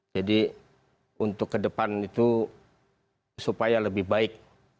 jadi untuk ke depan itu supaya lebih baik